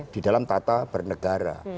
di dalam tata bernegara